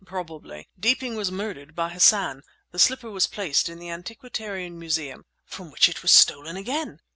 "Probably. Deeping was murdered by Hassan! The slipper was placed in the Antiquarian Museum—" "From which it was stolen again!"